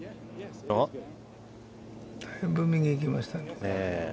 だいぶ右にいきましたね。